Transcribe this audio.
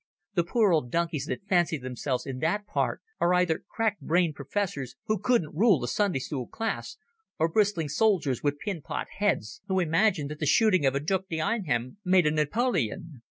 The poor old donkeys that fancy themselves in the part are either crackbrained professors who couldn't rule a Sunday school class, or bristling soldiers with pint pot heads who imagine that the shooting of a Duc d'Enghien made a Napoleon.